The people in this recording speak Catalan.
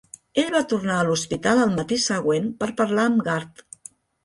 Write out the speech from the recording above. Ell va tornar a l'hospital el matí següent per parlar amb Gart.